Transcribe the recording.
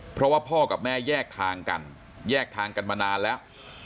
เพราะว่าพ่อกับแม่แยกทางกันแยกทางกันมานานแล้ว